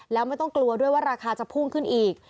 แล้วไม่ต้องกลัวด้วยว่าราคาจะพุ่งขึ้นอีก